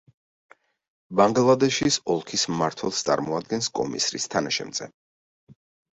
ბანგლადეშის ოლქის მმართველს წარმოადგენს კომისრის თანაშემწე.